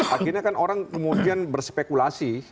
akhirnya kan orang kemudian berspekulasi